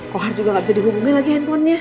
kohar juga gak bisa dihubungin lagi handphonenya